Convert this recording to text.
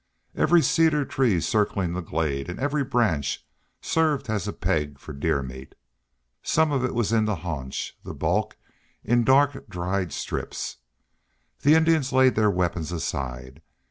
Every cedar tree circling the glade and every branch served as a peg for deer meat. Some of it was in the haunch, the bulk in dark dried strips. The Indians laid their weapons aside.